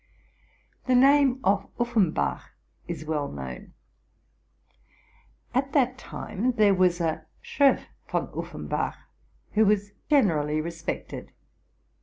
The name of Uffenbach is well known. At that time, there was a Schoff von Uffenbach, who was generally re spected.